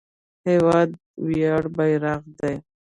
هېواد د ویاړ بیرغ دی.